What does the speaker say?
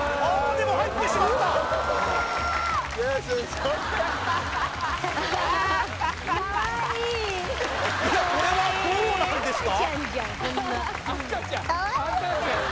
でも入ってしまったいやこれはどうなんですか？